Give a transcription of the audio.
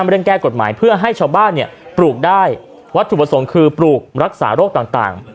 เร่งแก้กฎหมายเพื่อให้ชาวบ้านเนี่ยปลูกได้วัตถุประสงค์คือปลูกรักษาโรคต่าง